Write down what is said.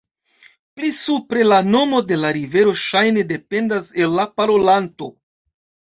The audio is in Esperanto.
Pli supre la nomo de la rivero ŝajne dependas el la parolanto.